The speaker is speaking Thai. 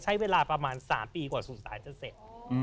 ใช้เวลาประมาณ๓ปีกว่าสู่ศาลจะเสร็จ